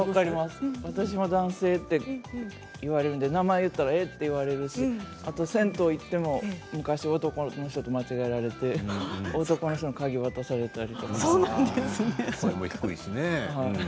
私も男性と言われるので名前をいったらえっ！と言われるし銭湯に行っても、昔男の人と間違えられて男の人の鍵を渡されたり。